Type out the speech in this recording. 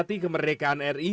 mengingati kemerdekaan ri